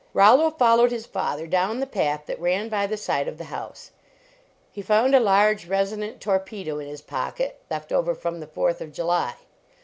Rollo followed his father down the path that ran by the side of the house. He found a large, resonant torpedo in his pocket, left over from the Fourth of July.